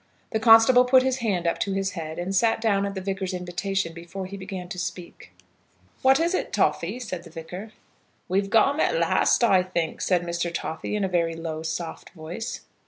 The constable put his hand up to his head, and sat down at the Vicar's invitation, before he began to speak. "What is it, Toffy?" said the Vicar. "We've got 'em at last, I think," said Mr. Toffy, in a very low, soft voice.